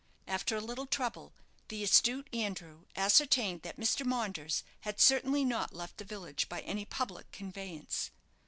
After a little trouble, the astute Andrew ascertained that Mr. Maunders had certainly not left the village by any public conveyance.